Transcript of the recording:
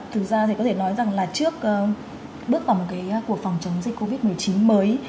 thực ra thì có thể nói rằng là trước bước vào một cái cuộc phòng chống dịch covid một mươi chín mới